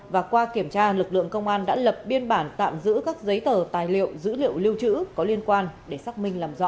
và qua kiểm tra lực lượng công an đã lập biên bản tạm giữ các giấy tờ tài liệu dữ liệu lưu trữ có liên quan để xác minh làm rõ